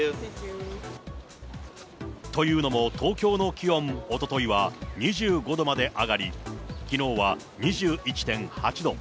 というのも東京の気温、おとといは２５度まで上がり、きのうは２１．８度。